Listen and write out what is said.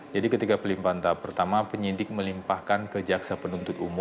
jadi ketika pelimpahan tahap pertama penyidik melimpahkan ke jaksa penuntut umum